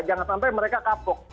jangan sampai mereka kapok